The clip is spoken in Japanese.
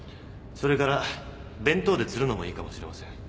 それから弁当で釣るのもいいかもしれません。